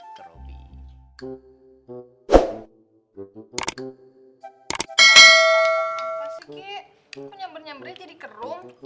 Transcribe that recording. sikit kok nyamber nyambernya jadi kerum